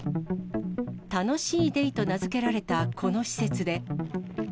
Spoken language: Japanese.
たのしいデイと名付けられたこの施設で。